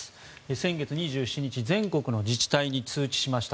先月２７日全国の自治体に通知しました。